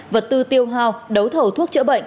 vật tư tiêu hào đấu thầu thuốc chữa bệnh